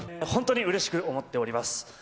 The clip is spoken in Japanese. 本当にうれしく思っております。